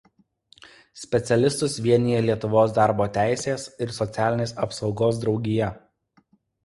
Specialistus vienija Lietuvos darbo teisės ir socialinės apsaugos draugija.